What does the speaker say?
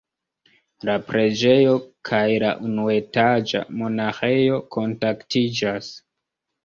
La preĝejo kaj la unuetaĝa monaĥejo kontaktiĝas.